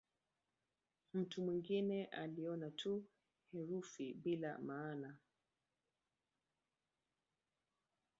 Mtu mwingine aliona tu herufi bila maana.